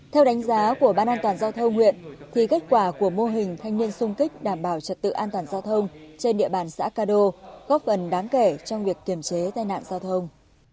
theo đánh giá của ban an toàn giao thông huyện thì kết quả của mô hình thanh niên sung kích đảm bảo trật tự an toàn giao thông trên địa bàn xã cà đô góp phần đáng kể trong việc kiềm chế tai nạn giao thông